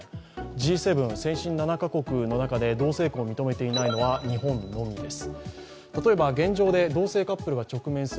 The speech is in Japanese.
Ｇ７＝先進７か国の中で同性婚を認めていないのは、日本のみです。